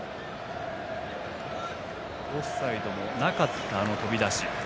オフサイドもなかったあの飛び出し。